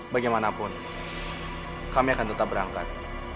bagaimanapun kami akan tetap berangkat